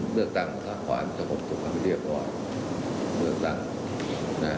ประชนก็ต้องดูนะ